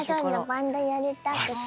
バンドやりたくて。